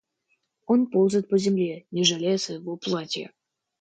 Он ползает по земле, не жалея своего платья.